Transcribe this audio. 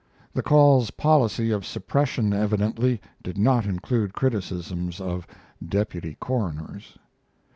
The Call's policy of suppression evidently did not include criticisms of deputy coroners.